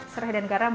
serai dan garam ya